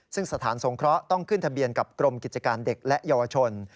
ซึ่งสถานสงเคราะห์ต้องขึ้นทะเบียนกับกรมกิจการเด็กและเยาวชน